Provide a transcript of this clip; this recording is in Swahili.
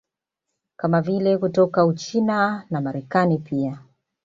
Kama vile kutoka Uchina na Marekani pia